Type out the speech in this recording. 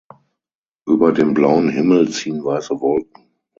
Über den blauen Himmel ziehen weiße Wolken.